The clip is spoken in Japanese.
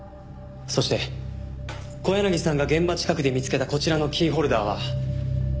そして小柳さんが現場近くで見つけたこちらのキーホルダーは。